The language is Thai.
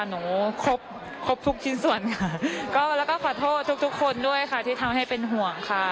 ครบครบทุกชิ้นส่วนค่ะก็แล้วก็ขอโทษทุกทุกคนด้วยค่ะที่ทำให้เป็นห่วงค่ะ